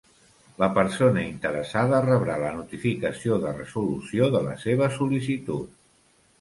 La persona interessada rebrà la notificació de resolució de la seva sol·licitud.